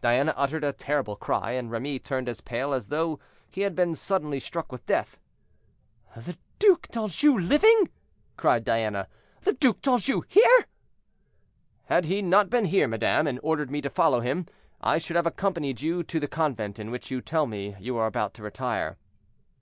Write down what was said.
Diana uttered a terrible cry, and Remy turned as pale as though he had been suddenly struck with death. "The Duc d'Anjou living!" cried Diana. "The Duc d'Anjou here?" "Had he not been here, madame, and ordered me to follow him, I should have accompanied you to the convent into which you tell me you are about to retire."